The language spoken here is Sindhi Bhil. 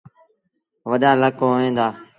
وڏآ لڪ هوئيݩ دآ۔